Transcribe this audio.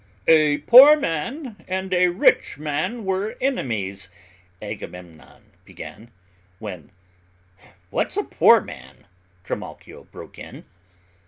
"A poor man and a rich man were enemies," Agamemmon began, when: "What's a poor man?" Trimalchio broke in.